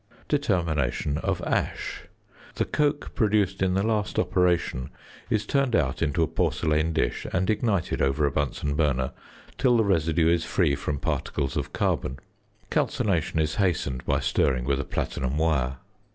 ~Determination of Ash.~ The coke produced in the last operation is turned out into a porcelain dish and ignited over a Bunsen burner till the residue is free from particles of carbon. Calcination is hastened by stirring with a platinum wire.